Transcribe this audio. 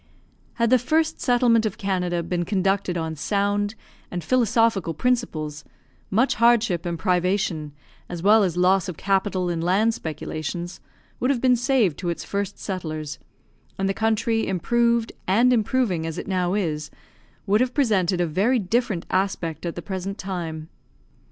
Had the first settlement of Canada been conducted on sound and philosophical principles, much hardship and privation, as well as loss of capital in land speculations, would have been saved to its first settlers, and the country, improved and improving as it now is, would have presented a very different aspect at the present time.